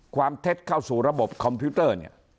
ความเท็จเข้าสู่ระบบคอมพิวเตอร์